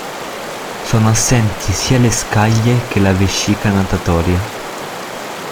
Sono assenti sia le scaglie che la vescica natatoria.